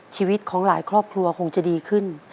ชีวิตของหลายครอบครัวคงจะดีขึ้น